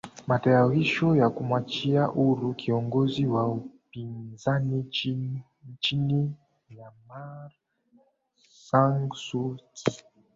matayarisho ya kumwachia huru kiongozi wa upinzani nchini mynamar sang su qui